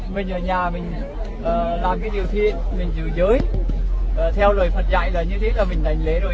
mình ở nhà mình làm cái điều thiện mình giữ giới theo lời phật dạy là như thế là mình đánh lễ rồi